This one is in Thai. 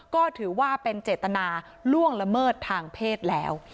ก็ถือว่าเป็นเจตนาล่วงละเมิดทางเพศแล้ว